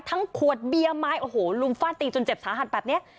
ขวดเบียร์ไม้โอ้โหลุมฟาดตีจนเจ็บสาหัสแบบนี้